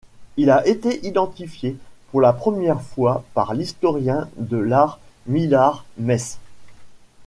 Il a été identifié pour la première fois par l'historien de l'art Millard Meiss.